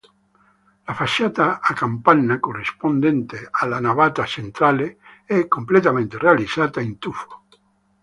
La facciata a capanna corrispondente alla navata centrale è completamente realizzata in tufo.